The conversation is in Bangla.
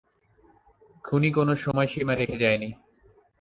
খুনি কোনো সময়সীমা রেখে যায়নি।